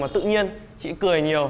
và tự nhiên chị cười nhiều